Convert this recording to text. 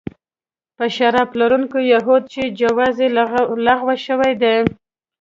یو شراب پلورونکی یهود چې جواز یې لغوه شوی دی.